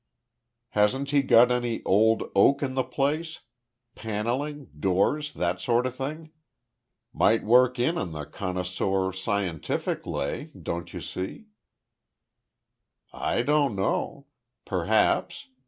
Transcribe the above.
"Hasn't he got any old oak in the place? Panelling, doors that sort of thing? Might work in on the connoisseur, scientific lay, don't you see?" "I don't know. Perhaps.